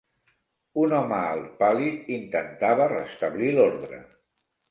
Un home alt, pàl·lid, intentava restablir l'ordre